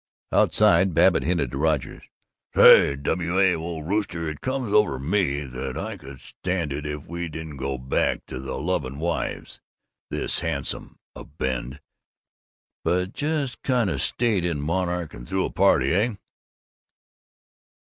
Outside, Babbitt hinted to Rogers, "Say, W. A., old rooster, it comes over me that I could stand it if we didn't go back to the lovin' wives, this handsome Abend, but just kind of stayed in Monarch and threw a party, heh?"